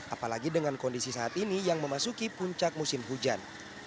apalagi dengan kondisi saat ini yang memasuki puncak musim hujan